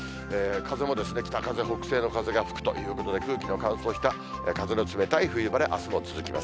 風も北風、北西の風が吹くということで、空気の乾燥した、風の冷たい冬晴れ、あすも続きます。